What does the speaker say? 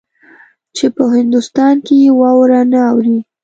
چې په هندوستان کې واوره نه اوري.